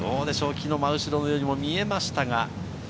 木の真後ろのようにも見えました。